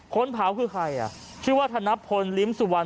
คนเผาคือใครอ่ะชื่อว่าธนพลลิ้มสุวรรณ